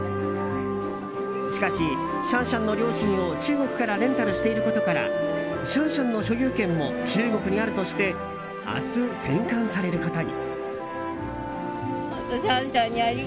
しかしシャンシャンの両親を中国からレンタルしていることからシャンシャンの所有権も中国にあるとして明日、返還されることに。